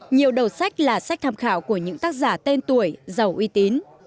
nhiều đầu sách là sách tham khảo của những tác giả tên tuổi giàu uy tín